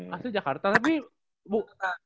asli jakarta tapi bu